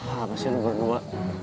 apa sih lo berdua